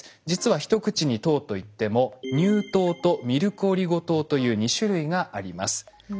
実は一口に糖といっても乳糖とミルクオリゴ糖という２種類があります。